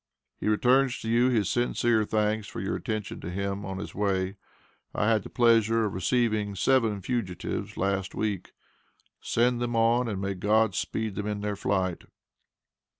He returns to you his sincere thanks for your attention to him on his way. I had the pleasure of receiving seven fugitives last week. Send them on, and may God speed them in the flight.